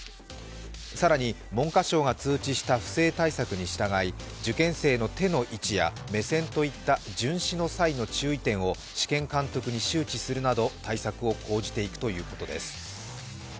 更に文科省が通知した不正対策に従い、受験生の手の位置や目線といった巡視の際の注意点を試験監督に周知するなど対策を講じていくということです。